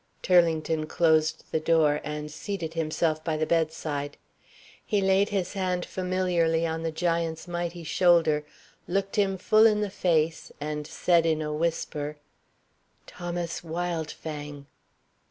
Turlington closed the door, and seated himself by the bedside. He laid his hand familiarly on the giant's mighty shoulder, looked him full in the face, and said, in a whisper, "Thomas Wildfang!"